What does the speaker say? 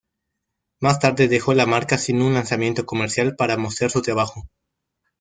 Más tarde dejó la marca sin un lanzamiento comercial para mostrar su trabajo.